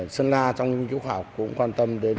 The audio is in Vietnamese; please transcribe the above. sơn la trong nghiên cứu khoa học cũng quan tâm đến